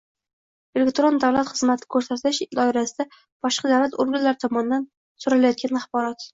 elektron davlat xizmati ko‘rsatish doirasida boshqa davlat organlari tomonidan so‘ralayotgan axborotning